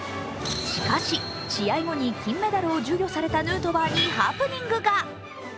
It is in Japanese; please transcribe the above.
しかし試合後に金メダルを授与されたヌートバーにハプニングが。